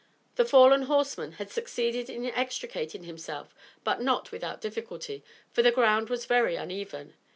The fallen horseman had succeeded in extricating himself, but not without difficulty, for the ground was very uneven.